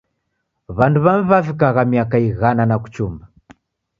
W'andu w'amu w'avikagha miaka ighana na kuchumba.